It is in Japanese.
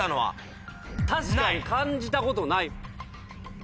確かに感じたことない。